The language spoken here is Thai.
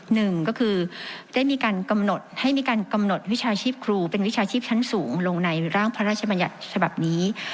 หนึ่งก็คือได้มีการกำหนดให้มีการกำหนดวิชาชีพครูเป็นวิชาชีพชั้นสูงลงในร่างพระราชบัญญัติฉบับนี้